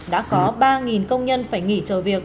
đã có ba công nhân phải nghỉ chờ việc